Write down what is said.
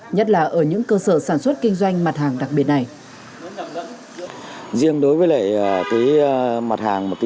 nhất là ở những cơ sở sản xuất kinh doanh mặt hàng đặc biệt này